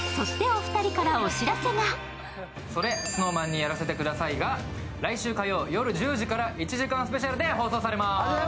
「それＳｎｏｗＭａｎにやらせて下さい」が来週火曜、夜１０時から１時間スペシャルで放送されます。